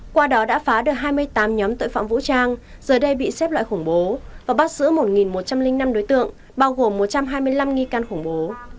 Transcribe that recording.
qua đó đã phá được hai mươi tám nhóm tội phạm vũ trang giờ đây bị xếp loại khủng bố và bắt giữ một một trăm linh năm đối tượng bao gồm một trăm hai mươi năm nghi can khủng bố